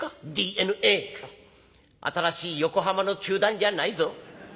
新しい横浜の球団じゃないぞ。